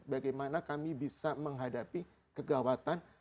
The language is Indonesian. bagaimana kami bisa menghadapi kegawatan